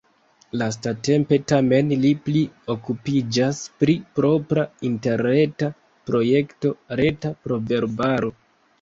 Lastatempe tamen li pli okupiĝas pri propra interreta projekto: reta proverbaro.